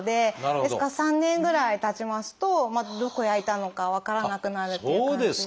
ですから３年ぐらいたちますとどこ焼いたのか分からなくなるっていう感じですね。